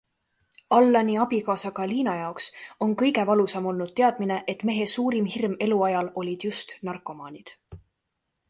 Allani abikaasa Galina jaoks on kõige valusam olnud teadmine, et mehe suurim hirm eluajal olid just narkomaanid.